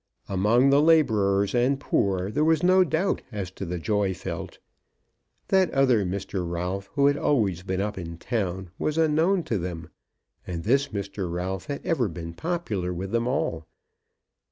Among the labourers and poor there was no doubt as to the joy felt. That other Mr. Ralph, who had always been up in town, was unknown to them, and this Mr. Ralph had ever been popular with them all.